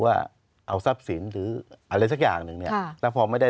ว่าเอาทรัพย์สินหรืออะไรสักอย่างหนึ่งเนี่ยแล้วพอไม่ได้